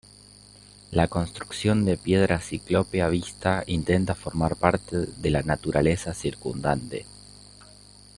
La construcción de piedra ciclópea vista intenta formar parte de la naturaleza circundante.